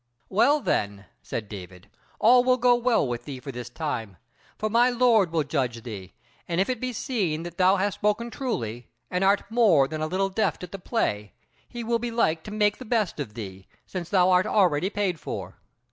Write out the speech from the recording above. "Well, then," said David, "all will go well with thee for this time: for my lord will judge thee, and if it be seen that thou hast spoken truly, and art more than a little deft at the play, he will be like to make the best of thee, since thou art already paid for."